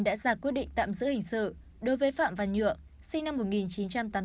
đã ra quyết định tạm giữ hình sự đối với phạm văn nhựa sinh năm một nghìn chín trăm tám mươi tám